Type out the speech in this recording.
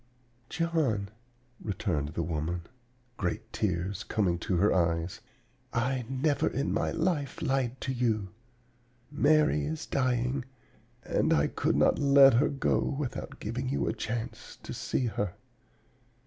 "'John,' returned the woman, great tears coming to her eyes, 'I never in my life lied to you. Mary is dying, and I could not let her go without giving you a chance to see her.